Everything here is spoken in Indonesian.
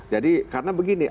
jadi karena begini